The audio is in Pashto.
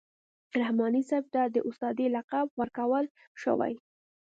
رحماني صاحب ته د استادۍ لقب ورکول شوی.